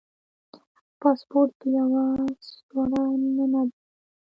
پاسپورټ په یوه سوړه ننباسي.